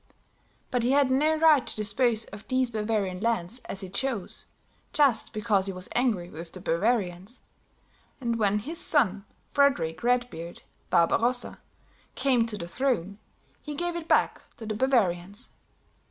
But he had no right to dispose of these Bavarian lands as he chose, just because he was angry with the Bavarians; and when his son, Frederick Redbeard (Barbarossa) came to the throne, he gave it back to the Bavarians.